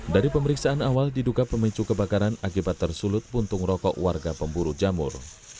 dari pemeriksaan awal diduga pemicu kebakaran akibat tersulut puntung rokok warga pemburu jamur